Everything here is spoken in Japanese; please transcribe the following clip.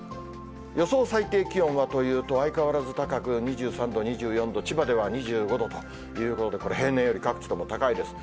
予想最低気温はというと、相変わらず高く、２３度、２４度、千葉では２５度ということで、これ、平年より各地とも高いです。